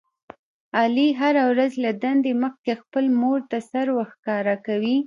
علي هره ورځ له دندې مخکې خپلې مورته سر ورښکاره کوي.